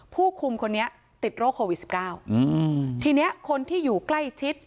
ผู้คุมคนนี้ติดโรคโควิดสิบเก้าอืมทีเนี้ยคนที่อยู่ใกล้ชิด